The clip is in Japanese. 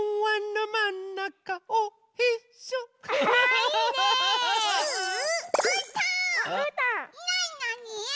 なになに？